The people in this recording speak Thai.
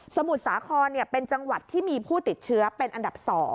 มุทรสาครเป็นจังหวัดที่มีผู้ติดเชื้อเป็นอันดับ๒